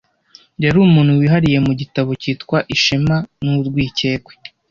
yari umuntu wihariye mu gitabo cyitwa Ishema n'Urwikekwe